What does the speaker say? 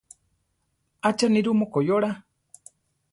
Acha nirú mokoyóra.